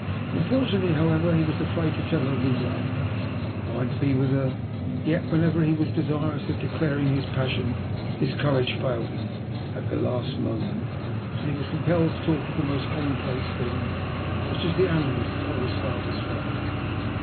"Unfortunately, however, he was afraid to tell her of his love. He pined to be with her, yet, whenever he was desirous of declaring his passion, his courage failed him at the last moment, and he was compelled to talk of the most commonplace things, such as the animals upon his father's farm.